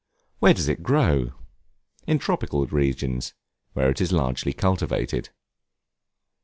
Where does it grow? In tropical regions, where it is largely cultivated.